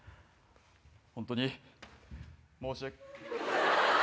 本当に申し訳。